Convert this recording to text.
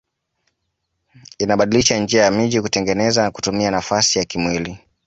Inabadilisha njia ya miji kutengeneza na kutumia nafasi ya kimwili